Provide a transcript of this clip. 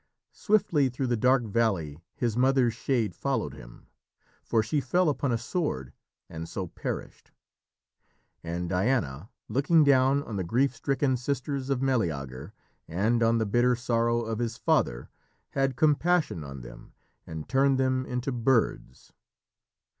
Swiftly through the dark valley his mother's shade followed him, for she fell upon a sword and so perished. And Diana, looking down on the grief stricken sisters of Meleager and on the bitter sorrow of his father, had compassion on them and turned them into birds.